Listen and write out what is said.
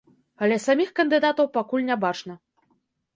Але саміх кандыдатаў пакуль не бачна.